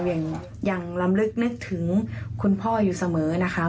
ยังลำลึกนึกถึงคุณพ่ออยู่เสมอนะคะ